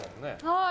はい。